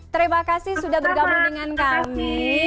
terima kasih sudah bergabung dengan kami